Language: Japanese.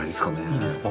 いいですか？